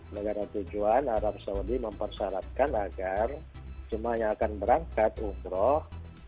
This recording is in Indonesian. negara tujuan arab saudi mempersyaratkan agar jemaah yang akan berangkat umroh